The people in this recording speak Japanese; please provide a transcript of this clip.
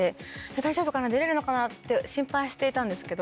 「大丈夫かな出れるのかな」って心配していたんですけど